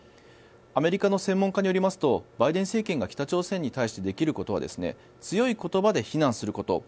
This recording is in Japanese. アメリカの専門家によりますとバイデン政権が北朝鮮に対してできることは強い言葉で非難すること。